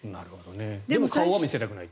でも顔は見せたくないと。